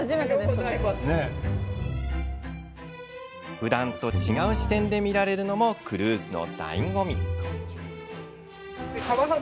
ふだんと違う視点で見られるのもクルーズのだいご味。